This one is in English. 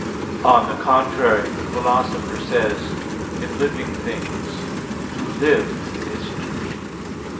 On the contrary, The Philosopher says (De Anima ii, 37), "In living things, to live is to be."